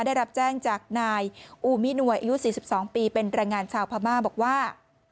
ได้รับแจ้งจากนายอูมินวยอายุ๔๒ปีเป็นแรงงานชาวพม่าบอกว่า